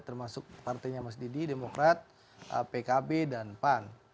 termasuk partainya mas didi demokrat pkb dan pan